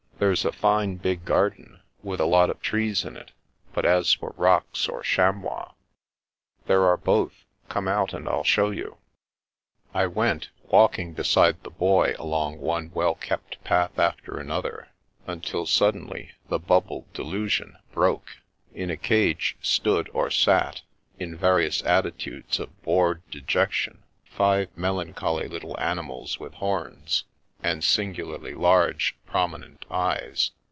There's a fine big garden, with a lot of trees in it, but as for rocks or chamois "" There are both. Come out and FU show you." I went, walking beside the Boy along one well kept path after another, until suddenly the bubble delusion broke. In a cage stood or sat, in various at titudes of bored dejection, five melancholy little ani mals with horns, and singularly large, prominent eyes.